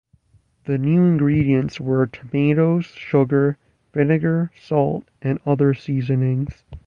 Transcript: The new ingredients were "tomatoes, sugar, vinegar, salt and other seasonings".